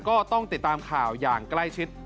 ก็ต้องติดตามข่าวอย่างใกล้ชิด